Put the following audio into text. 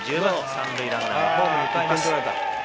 三塁ランナーはホームに向かいます。